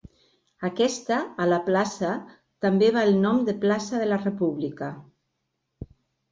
Aquesta a la plaça també va el nom de plaça de la República.